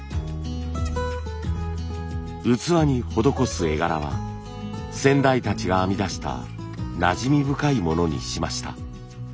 器に施す絵柄は先代たちが編み出したなじみ深いものにしました。